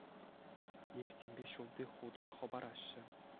Лифтсемпе ҫӳлти хута хӑпараҫҫӗ.